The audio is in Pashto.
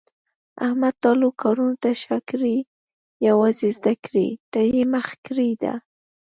احمد ټولو کارونو ته شاکړې یووازې زده کړې ته یې مخه کړې ده.